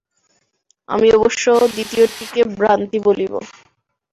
আমি অবশ্য দ্বিতীয়টিকে ভ্রান্তি বলিব।